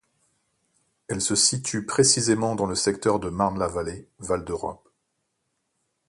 Elle se situe précisément dans le secteur de Marne-la-Vallée, Val d'Europe.